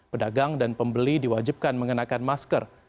pedagang dan pembeli diwajibkan mengenakan masker